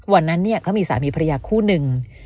วันนั้นเขามีสามีภรรยาคู่หนึ่ง